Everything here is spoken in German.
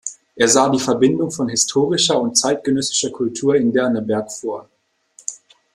Es sah die Verbindung von historischer und zeitgenössischer Kultur in Derneburg vor.